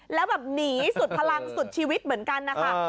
แล้วแบบหนีสุดพลังสุดชีวิตเหมือนกันนะคะ